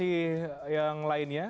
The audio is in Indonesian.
kita ke informasi yang lainnya